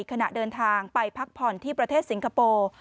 ขณะเดินทางไปพักผ่อนที่ประเทศสิงคโปร์